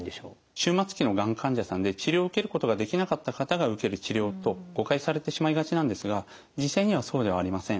終末期のがん患者さんで治療を受けることができなかった方が受ける治療と誤解されてしまいがちなんですが実際にはそうではありません。